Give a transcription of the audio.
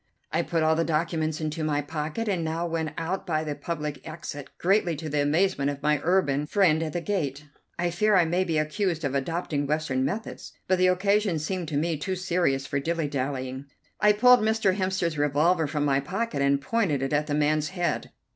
I put all the documents into my pocket, and now went out by the public exit, greatly to the amazement of my urbane friend at the gate. I fear I may be accused of adopting Western methods, but the occasion seemed to me too serious for dilly dallying. I pulled Mr. Hemster's revolver from my pocket and pointed it at the man's head.